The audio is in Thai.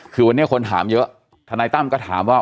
คือวันนี้คนถามเยอะทนายตั้มก็ถามว่า